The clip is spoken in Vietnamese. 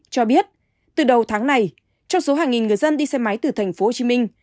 cho biết từ đầu tháng này trong số hàng nghìn người dân đi xe máy từ thành phố hồ chí minh